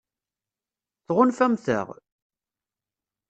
Tɣunfamt-aɣ?